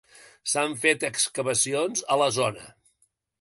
S'han fet excavacions a la zona.